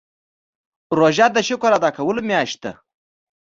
روژه د شکر ادا کولو میاشت ده.